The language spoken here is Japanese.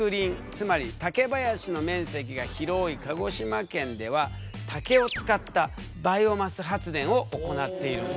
つまり竹林の面積が広い鹿児島県では竹を使ったバイオマス発電を行っているんだ。